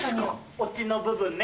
オチの部分ね。